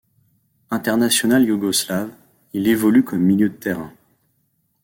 International yougoslave, il évolue comme milieu de terrain.